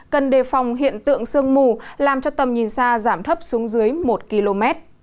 cần đề phòng hiện tượng sương mù làm cho tầm nhìn xa giảm thấp xuống dưới một km